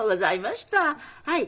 はい。